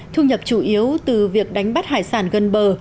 thu nhập chủ yếu từ việc đánh bắt hải sản gần bờ